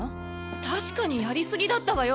確かにやりすぎだったわよ。